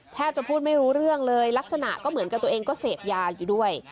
แทบจะพูดไม่รู้เรื่องเลยลักษณะก็เหมือนกับตัวเองก็เสพยาอยู่ด้วย